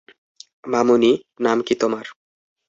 মামুনি, নাম কী তোমার?